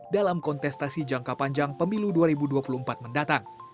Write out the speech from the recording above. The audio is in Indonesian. dalam kontestasi jangka panjang pemilu dua ribu dua puluh empat mendatang